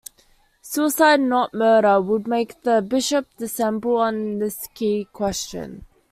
Suicide, not murder, would make the bishop dissemble on this key question.